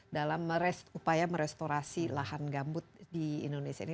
dalam upaya merestorasi lahan gambut di indonesia ini